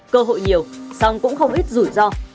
cơ hội nhiều song cũng không ít rủi ro